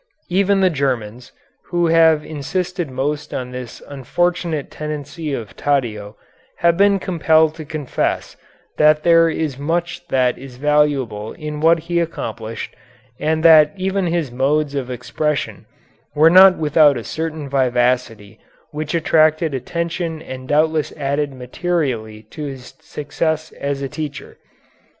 Even the Germans, who have insisted most on this unfortunate tendency of Taddeo, have been compelled to confess that there is much that is valuable in what he accomplished, and that even his modes of expression were not without a certain vivacity which attracted attention and doubtless added materially to his success as a teacher.